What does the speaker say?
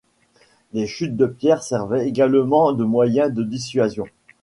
Les chutes de pierres servaient également de moyen de dissuasion.